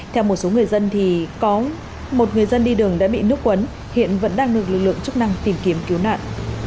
theo một số người dân thì có một người dân đi đường đã bị nước quấn hiện vẫn đang được lực lượng chức năng tìm kiếm cứu nạn